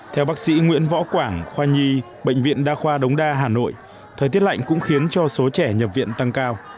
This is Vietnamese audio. theo bác sĩ nguyễn võ quảng khoa nhi bệnh viện đa khoa đống đa hà nội thời tiết lạnh cũng khiến cho số trẻ nhập viện tăng cao